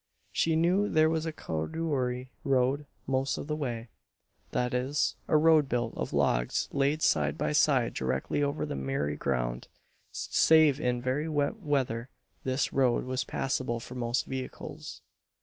She knew there was a corduroy road most of the way that is, a road built of logs laid side by side directly over the miry ground. Save in very wet weather this road was passable for most vehicles.